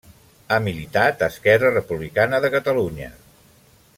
Ha militat a Esquerra Republicana de Catalunya.